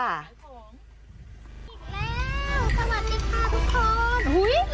สวัสดีค่ะทุกคน